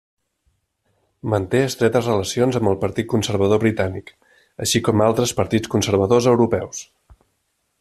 Manté estretes relacions amb el Partit Conservador britànic, així com altres partits conservadors europeus.